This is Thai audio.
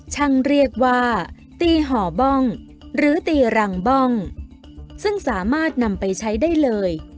ช่างเรียกว่าตีห่อบ้องหรือตีรังบ้องซึ่งสามารถนำไปใช้ได้เลย